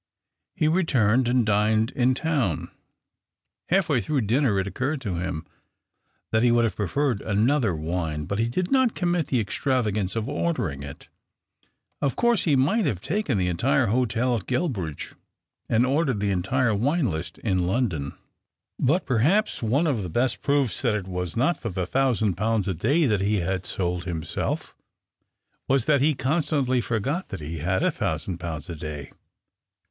He re urned and dined in town. Halfway through inner it occurred to him that he would have referred another wine, but he did not commit lie extravagance of ordering it. Of course, e might have taken the entire hotel at Guil ridge, and ordered the entire wine list in jondon. But, perhaps, one of the best proofs hat it was not for the thousand pounds a day 184 THE OCTAVE OF CLAUDIUS. that he had sold himself, was that he con stantly forgot that he had a thousand pounds a day.